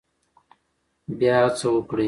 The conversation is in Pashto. بیا هڅه وکړئ.